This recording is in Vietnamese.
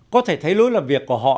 có thể thấy lối làm việc của họ